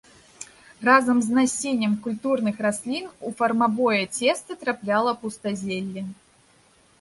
Разам з насеннем культурных раслін у фармавое цеста трапляла і пустазелле.